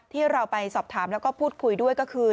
ที่เราไปสอบถามแล้วก็พูดคุยด้วยก็คือ